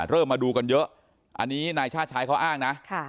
มาดูกันเยอะอันนี้นายชาติชายเขาอ้างนะ